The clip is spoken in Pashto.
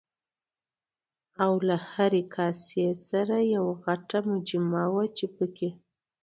او له هرې کاسې سره یوه غټه مجمه وه چې پکې